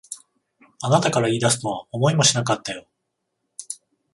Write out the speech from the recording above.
あなたから言い出すとは思いもしなかったよ。